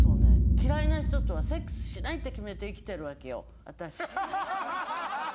嫌いな人とはセックスしないって決めて生きてるわけよ私。